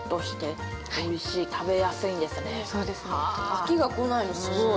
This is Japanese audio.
飽きがこないのすごい。